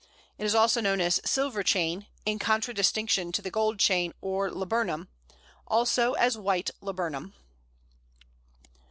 It is also known as Silver Chain, in contradistinction to the Gold Chain or Laburnum; also as White Laburnum.